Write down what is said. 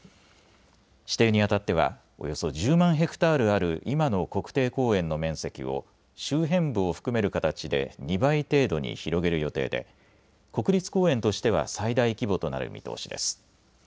指定にあたってはおよそ１０万ヘクタールある今の国定公園の面積を周辺部を含める形で２倍程度に広げる予定で国立公園としては最大規模となる見通しです。